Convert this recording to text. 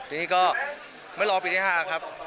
ทีนี้ก็ไม่รอปีที่๕ครับ